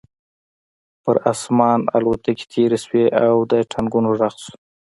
په آسمان الوتکې تېرې شوې او د ټانکونو غږ شو